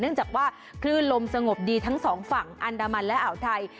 จากว่าคลื่นลมสงบดีทั้งสองฝั่งอันดามันและอ่าวไทย